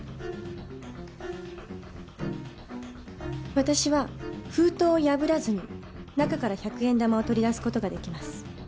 私は封筒を破らずに中から１００円玉を取り出す事が出来ます。